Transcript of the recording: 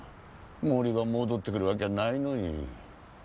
森が戻ってくるわけやないのに。